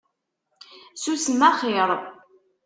Susem axir!